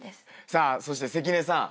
さあそして関根さん。